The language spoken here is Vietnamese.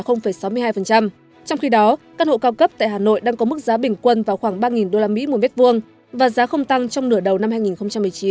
trong khi đó căn hộ cao cấp tại hà nội đang có mức giá bình quân vào khoảng ba usd một mét vuông và giá không tăng trong nửa đầu năm hai nghìn một mươi chín